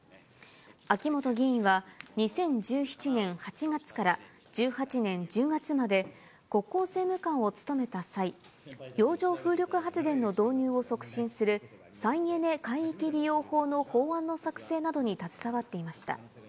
秋本議員は、２０１７年８月から１８年１０月まで国交政務官を務めた際、洋上風力発電の導入を促進する、再エネ海域利用法の法案の作成などに携わっていました。